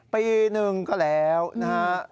ปีหนึ่งก็แล้วนะฮะ